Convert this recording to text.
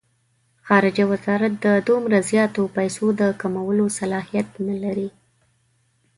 خارجه وزارت د دومره زیاتو پیسو د کمولو صلاحیت نه لري.